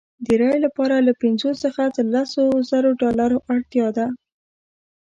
د رایې لپاره له پنځو څخه تر لسو زرو ډالرو اړتیا ده.